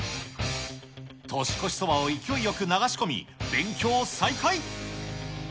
年越しそばを勢いよく流し込み、勉強再開。